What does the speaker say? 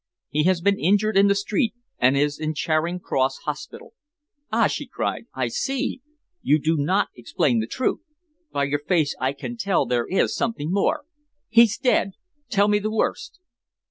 "He has been injured in the street, and is in Charing Cross Hospital." "Ah!" she cried. "I see. You do not explain the truth. By your face I can tell there is something more. He's dead! Tell me the worst."